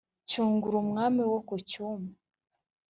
Cyungura umwami wo ku Cyuma